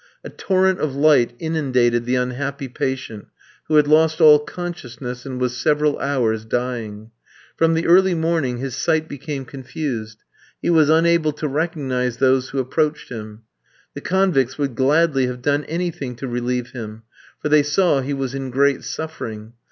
A torrent of light inundated the unhappy patient, who had lost all consciousness, and was several hours dying. From the early morning his sight became confused; he was unable to recognise those who approached him. The convicts would gladly have done anything to relieve him, for they saw he was in great suffering.